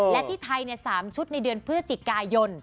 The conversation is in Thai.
และที่ไทย๓ชุดในเดือนพฤศจิกายน